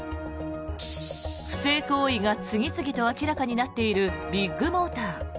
不正行為が次々と明らかになっているビッグモーター。